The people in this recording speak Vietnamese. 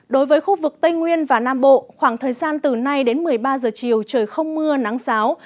đối với khu vực tây nguyên và nam bộ khoảng thời gian từ nay đến một mươi ba giờ chiều trời không mưa nắng sáo